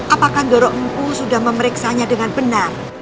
apakah doro empu sudah memeriksanya dengan benar